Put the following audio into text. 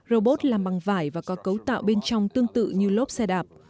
robot làm bằng vải và có cấu tạo bên trong tương tự như lốp xe đạp